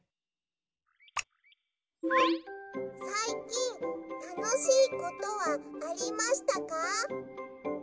さいきんたのしいことはありましたか？